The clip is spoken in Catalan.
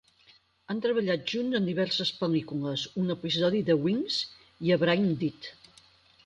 Han treballat junts en diverses pel·lícules, un episodi de "Wings" i a "BrainDead".